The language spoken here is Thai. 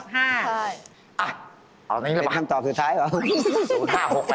เพิ่มอีกพันนึงอายุเขา๔๐ปีนะ๑๕๘๐ละ